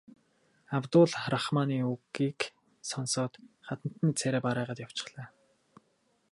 Абдул Рахманы үгийг сонсоод хатантны царай барайгаад явчихлаа.